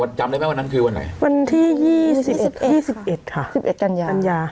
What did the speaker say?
วันไหนจำได้ไหมวันนั้นคือวันไหนวันที่ยี่สิบเอ็ดค่ะยี่สิบเอ็ดกัญญา